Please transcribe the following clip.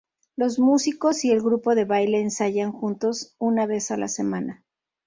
Los músicos y el grupo de baile ensayan juntos una vez a la semana.